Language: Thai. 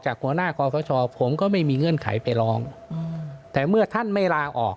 จากหัวหน้าความเขาชอบผมก็ไม่มีเงื่อนไขไปล้อมแต่เมื่อท่านไม่ลาออก